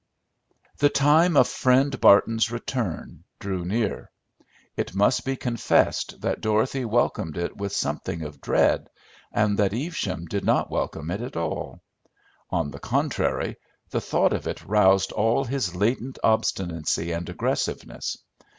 The time of Friend Barton's return drew near. It must be confessed that Dorothy welcomed it with something of dread, and that Evesham did not welcome it at all. On the contrary, the thought of it roused all his latent obstinacy and aggressiveness.